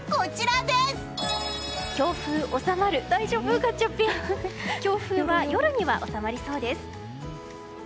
強風は夜には収まりそうです。